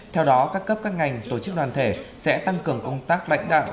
theo đó các cấp các ngành tổ chức đoàn thể sẽ tăng cường công tác lãnh đạo